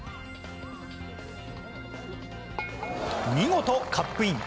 見事カップイン。